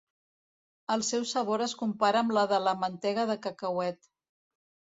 El seu sabor es compara amb la de la mantega de cacauet.